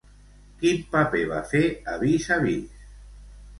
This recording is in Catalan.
Quin paper va fer a Vis a vis?